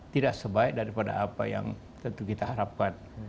tidak sebaik daripada apa yang tentu kita harapkan